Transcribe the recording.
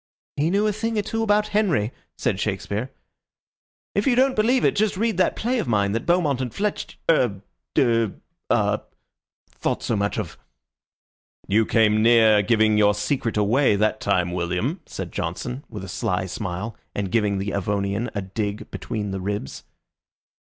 "He knew a thing or two about Henry," said Shakespeare. "If you don't believe it, just read that play of mine that Beaumont and Fletcher er ah thought so much of." "You came near giving your secret away that time, William," said Johnson, with a sly smile, and giving the Avonian a dig between the ribs.